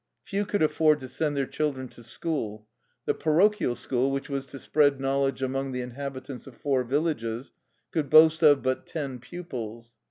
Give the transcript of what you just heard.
Few could afford to send their children to school. The parochial school, which was to spread knowledge among the inhabitants of four vil lages, could boast of but ten pupils.